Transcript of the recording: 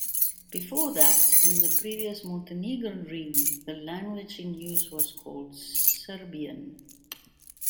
Before that, in the previous Montenegrin realm, the language in use was called Serbian.